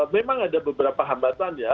memang ada beberapa hambatan ya